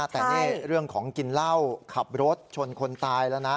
แต่นี่เรื่องของกินเหล้าขับรถชนคนตายแล้วนะ